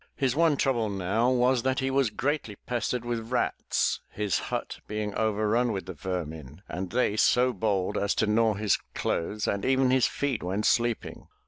His one trouble now was that he was greatly pestered with rats, his hut being overrun with the vermin and they so bold as to gnaw his clothes and even his feet when sleeping.